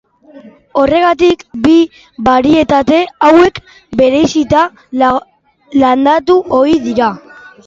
Horregatik bi barietate hauek bereizita landatu ohi dira.